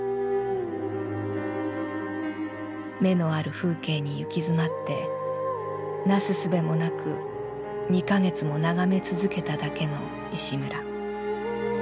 『眼のある風景』にゆきづまって為すすべもなく二か月も眺め続けただけの石村。